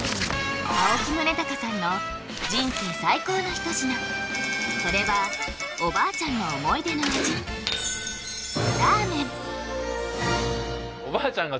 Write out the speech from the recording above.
青木崇高さんの人生最高の一品それはおばあちゃんの思い出の味えっ？